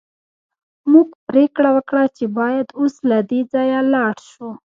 موږ پریکړه وکړه چې باید اوس له دې ځایه لاړ شو